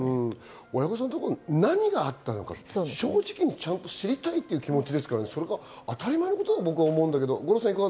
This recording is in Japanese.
親御さんは何があったのか正直に知りたいという気持ちですから、それは当たり前のことだと僕は思うんだけど。